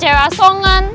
dia cewek asongan